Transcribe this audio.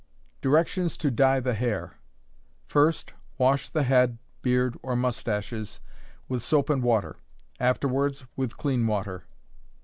Directions to Dye the Hair. First wash the head, beard, or moustaches with soap and water; afterwards with clean water.